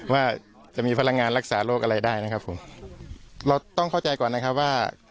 ว่าจะมีพลังงานรักษาโรคอะไรได้นะครับผมเราต้องเข้าใจก่อนนะครับว่า